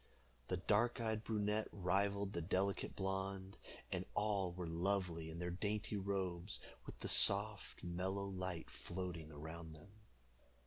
The dark eyed brunette rivaled the delicate blonde, and all were lovely in their dainty robes, with the soft mellow light floating around them.